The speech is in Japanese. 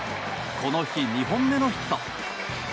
この日２本目のヒット。